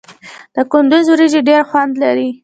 د کندز وریجې ډیر خوند لري.